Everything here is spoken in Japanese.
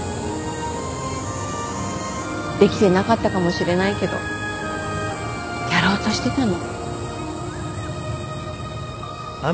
できてなかったかもしれないけどやろうとしてたの。